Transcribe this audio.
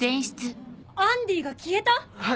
アンディが消えた⁉はい。